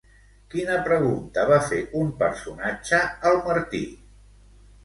Quina pregunta va fer un personatge al Martí?